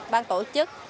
ban tổ chức